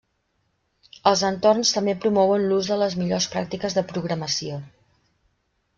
Els entorns també promouen l'ús de les millors pràctiques de programació.